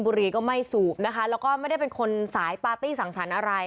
บุรีก็ไม่สูบนะคะแล้วก็ไม่ได้เป็นคนสายปาร์ตี้สั่งสรรค์อะไร